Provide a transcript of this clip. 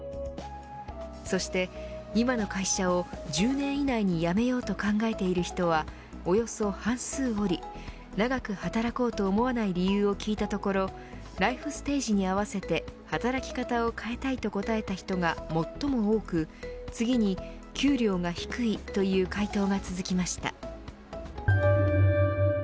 そして、今の会社を１０年以内に辞めようと考えている人はおよそ半数おり長く働こうと思わない理由を聞いたところライフステージに合わせて働き方を変えたいと答えた人が最も多く次に給料が低いという回答が続きました。